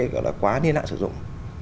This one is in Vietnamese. gọi là quá nên ạ sử dụng